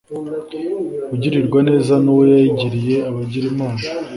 Ugirirwa neza n’uwo yayigiriye aba agira Imana.